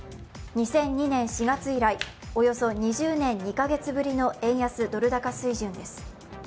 ２００２年４月以来、およそ２０年２カ月ぶりの円安ドル高水準です。